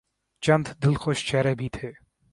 چند دلکش چہرے بھی تھے۔